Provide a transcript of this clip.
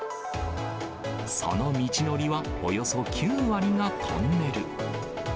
その道のりはおよそ９割がトンネル。